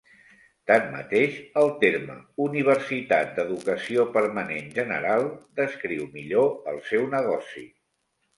Tanmateix, el terme universitat d'"educació permanent general" descriu millor el seu negoci.